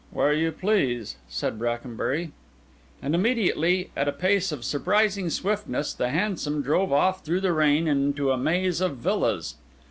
"Where you please," said Brackenbury. And immediately, at a pace of surprising swiftness, the hansom drove off through the rain into a maze of villas.